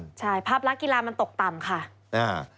ใช่ภาพลักษณ์กีฬามันตกต่ำค่ะอ่า